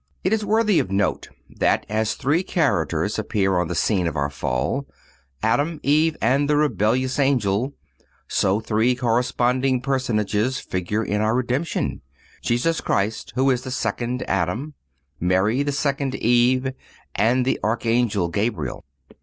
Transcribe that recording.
It is worthy of note that as three characters appear on the scene of our fall—Adam, Eve and the rebellious Angel—so three corresponding personages figure in our redemption—Jesus Christ, who is the second Adam;(237) Mary, the second Eve, and the Archangel Gabriel.